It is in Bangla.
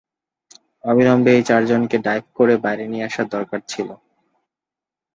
অবিলম্বে এই চারজনকে ডাইভ করে বাইরে নিয়ে আসার দরকার ছিল।